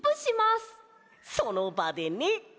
そのばでね。